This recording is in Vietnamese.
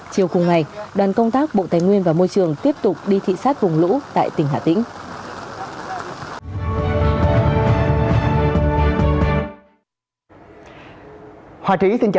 chiều cùng ngày đoàn công tác bộ tài nguyên và môi trường tiếp tục đi thị xát vùng lũ tại tỉnh hà tĩnh